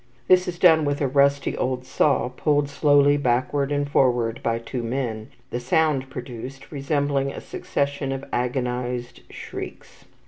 This is done with a rusty old saw pulled slowly backward and forward by two men, the sound produced resembling a succession of agonized shrieks.